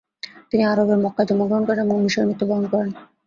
তিনি আরবের মক্কায় জন্মগ্রহণ করেন এবং মিশরে মৃত্যুবরণ করেন।